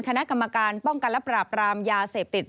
คณะกรรมการป้องกันและปราบรามยาเสพติด